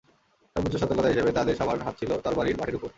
সর্বোচ্চ সতর্কতা হিসেবে তাদের সবার হাত ছিল তরবারির বাটের উপর।